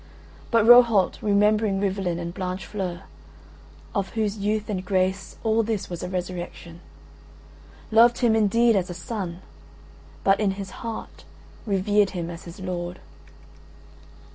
But Rohalt remembering Rivalen and Blanchefleur (of whose youth and grace all this was a resurrection) loved him indeed as a son, but in his heart revered him as his lord.